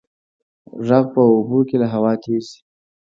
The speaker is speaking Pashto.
غږ په اوبو کې له هوا تېز ځي.